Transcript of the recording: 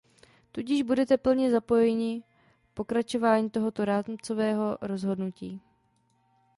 Tudíž budete plně zapojeni pokračování tohoto rámcového rozhodnutí.